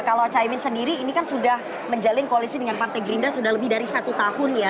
kalau caimin sendiri ini kan sudah menjalin koalisi dengan partai gerindra sudah lebih dari satu tahun ya